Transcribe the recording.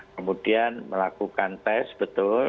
kemudian melakukan tes betul